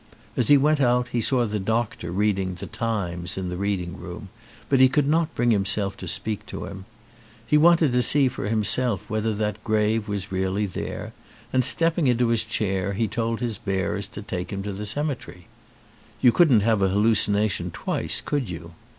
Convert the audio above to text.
As he .went out he saw the doctor reading The Times in the reading room, but he could not bring himself to speak to him. He wanted to see for himself whether that grave was really there and stepping into his chair he told his bearers to take him to the cemetery. You couldn't have an hallucination twice, could you?